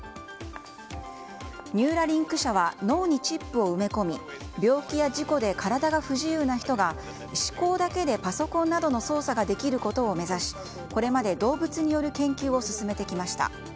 ニューラリンク社は脳にチップを埋め込み病気や事故で体が不自由な人が思考だけでパソコンなどの操作ができることを目指しこれまで、動物による研究を進めてきました。